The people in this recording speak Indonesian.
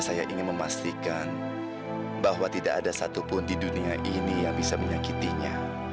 sampai jumpa di video selanjutnya